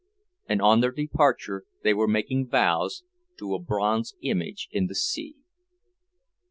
and on their departure they were making vows to a bronze image in the sea.